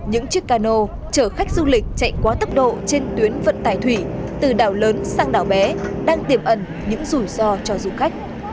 những chiếc cano chở khách du lịch chạy quá tốc độ trên tuyến vận tải thủy từ đảo lớn sang đảo bé đang tiềm ẩn những rủi ro cho du khách